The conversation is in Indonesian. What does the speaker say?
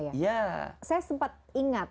saya sempat ingat